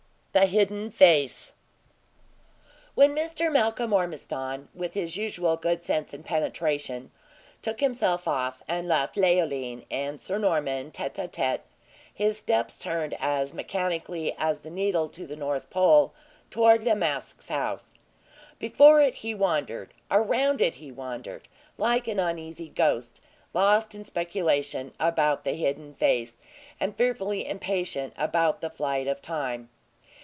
THE HIDDEN FACE When Mr. Malcolm Ormiston, with his usual good sense and penetration, took himself off, and left Leoline and Sir Norman tete a tete, his steps turned as mechanically as the needle to the North Pole toward La Masque's house. Before it he wandered, around it he wandered, like an uneasy ghost, lost in speculation about the hidden face, and fearfully impatient about the flight of time.